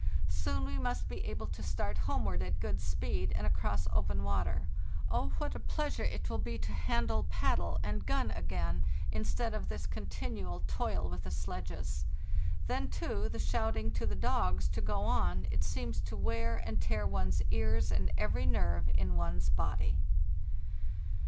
Soon we must be able to start homeward at good speed and across open water. Oh, what a pleasure it will be to handle paddle and gun again, instead of this continual toil with the sledges! Then, too, the shouting to the dogs to go on—it seems to wear and tear one's ears and every nerve in one's body.